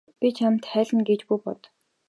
Би чамд хайлна гэж бүү бод.